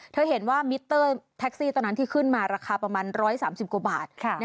เห็นว่ามิเตอร์แท็กซี่ตอนนั้นที่ขึ้นมาราคาประมาณ๑๓๐กว่าบาท